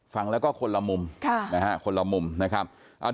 ฟังแล้วก็คนละมุมคนละมุมนะครับ